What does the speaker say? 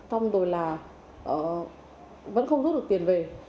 xong rồi là vẫn không rút được tiền về